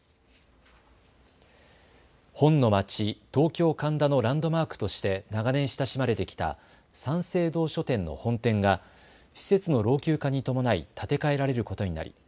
本の街、東京神田のランドマークとして長年、親しまれてきた三省堂書店の本店が施設の老朽化に伴い建て替えられることになり